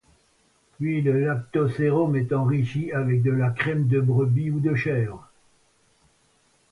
Puis le lactosérum est enrichi avec de la crème de brebis ou de chèvre.